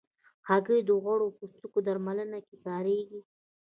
هګۍ د غوړ پوستکي درملنه کې کارېږي.